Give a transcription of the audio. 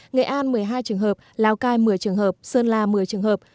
nghệ an một mươi hai trường hợp lào cai một mươi trường hợp sơn la một mươi trường hợp